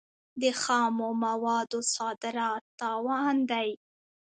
د خامو موادو صادرات تاوان دی.